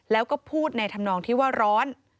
แล้วก็พูดในธรรมนองที่ว่าร้อน